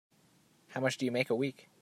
How much do you make a week?